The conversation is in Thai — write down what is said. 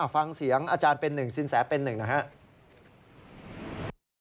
ฟังเสียงอาจารย์เป็นหนึ่งสินแสเป็นหนึ่งหน่อยครับ